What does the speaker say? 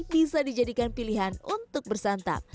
bisa dijadikan pilihan untuk bersantap